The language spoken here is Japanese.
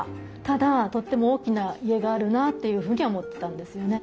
ただとっても大きな家があるなあというふうには思ってたんですよね。